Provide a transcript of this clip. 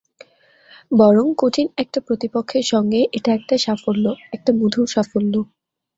বরং কঠিন একটা প্রতিপক্ষের সঙ্গে এটা একটা সাফল্য, একটা মধুর সাফল্য।